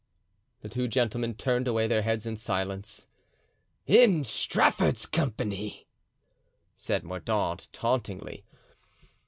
The two gentlemen turned away their heads in silence. "In Strafford's company," said Mordaunt, tauntingly.